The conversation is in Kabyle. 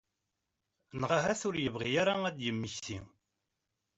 Neɣ ahat ur yebɣi ara ad d-yemmekti.